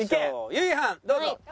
ゆいはんどうぞ！